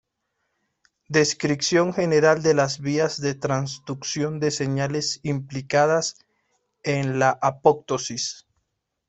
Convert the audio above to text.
Descripción general de las vías de transducción de señales implicadas en la apoptosis.